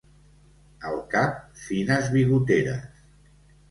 Al cap fines bigoteres.